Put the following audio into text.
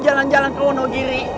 jalan jalan kewono giri